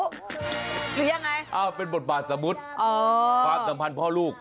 หรือยังไงอ้าเป็นบ่นปากสมุดของสังพันธ์พ่อลูก